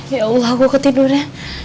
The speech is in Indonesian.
ya allah aku ketidurnya